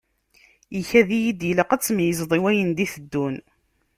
Ikad-iyi-d ilaq ad tmeyyzeḍ i wayen i d-iteddun.